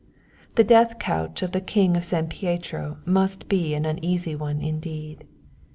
The death couch of the King of San Pietro must be an uneasy one indeed.